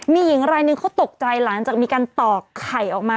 มีหญิงรายหนึ่งเขาตกใจหลังจากมีการตอกไข่ออกมา